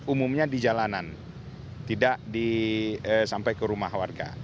umumnya di jalanan tidak sampai ke rumah warga